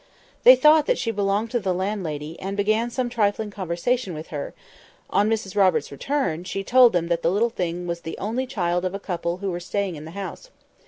They thought that she belonged to the landlady, and began some trifling conversation with her; but, on Mrs Roberts's return, she told them that the little thing was the only child of a couple who were staying in the house.